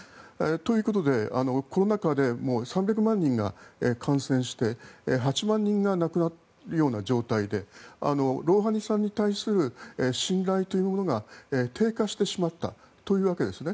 ということでコロナ禍で３００万人が感染して８万人が亡くなるような状態でロウハニさんに対する信頼というものが低下してしまったというわけですね。